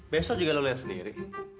besok juga lo lihat sendiri